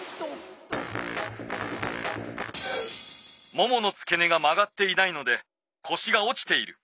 もものつけ根が曲がっていないのでこしがおちている。